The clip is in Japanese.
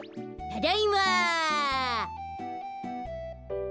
ただいま。